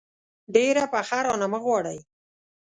ډېره پخه رانه مه غواړئ.